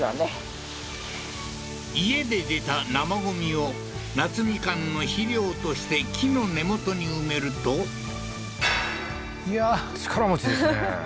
家で出た生ゴミを夏みかんの肥料として木の根元に埋めるといやー力持ちですね